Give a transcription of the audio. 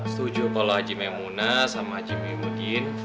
setuju kalau haji maimunah sama haji muhyiddin